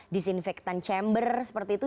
disinfektan chamber seperti itu